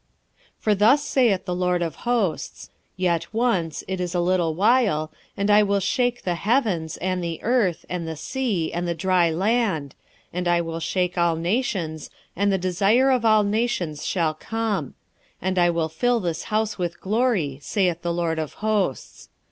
2:6 For thus saith the LORD of hosts; Yet once, it is a little while, and I will shake the heavens, and the earth, and the sea, and the dry land; 2:7 And I will shake all nations, and the desire of all nations shall come: and I will fill this house with glory, saith the LORD of hosts.